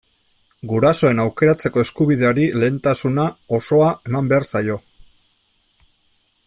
Gurasoen aukeratzeko eskubideari lehentasuna osoa eman behar zaio.